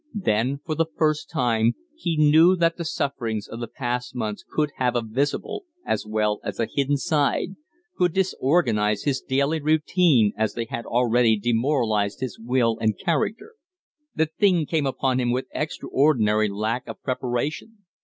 Then for the first time he knew that the sufferings of the past months could have a visible as well as a hidden side could disorganize his daily routine as they had already demoralized his will and character. The thing came upon him with extraordinary lack of preparation.